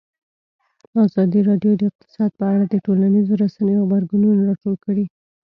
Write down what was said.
ازادي راډیو د اقتصاد په اړه د ټولنیزو رسنیو غبرګونونه راټول کړي.